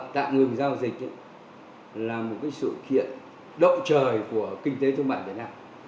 tạm ngừng giao dịch là một sự kiện độ trời của kinh tế thông bản việt nam